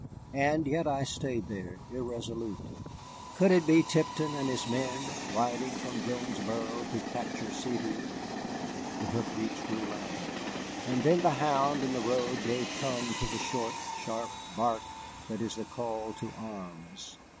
And yet I stayed there, irresolute. Could it be Tipton and his men riding from Jonesboro to capture Sevier? The hoof beats grew louder, and then the hound in the road gave tongue to the short, sharp bark that is the call to arms.